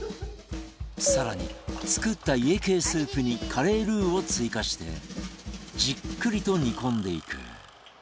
更に作った家系スープにカレールウを追加してじっくりと煮込んでいく